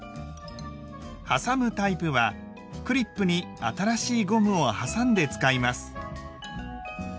はさむタイプはクリップに新しいゴムをはさんで使います。